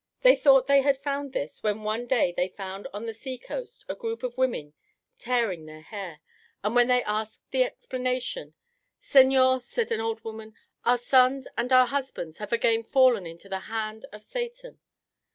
They thought they had found this when one day they found on the sea coast a group of women tearing their hair, and when they asked the explanation, "Señor," said an old woman, "our sons and our husbands have again fallen into the hand of Satan."